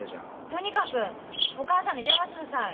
とにかくお母さんに電話しなさい。